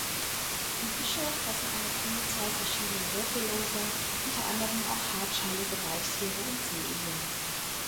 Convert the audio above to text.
Die Fische fressen eine Vielzahl verschiedener Wirbelloser, unter anderem auch hartschalige Weichtiere und Seeigel.